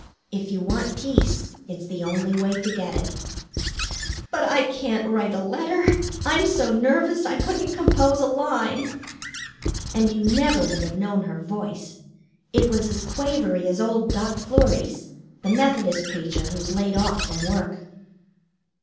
If you want peace, it's the only way to get it." "But I can't write a letter; I'm so nervous I couldn't compose a line." And you never would have known her voice. It was as quavery as old Doctor Fleury's, the Methodist preacher who's laid off from work.